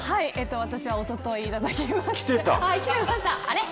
私はおとといいただきました。